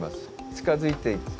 近づいていって。